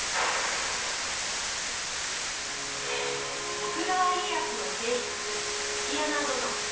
徳川家康の正室築山殿。